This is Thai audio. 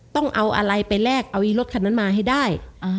ต้องเอาอะไรไปแลกเอารถคันนั้นมาให้ได้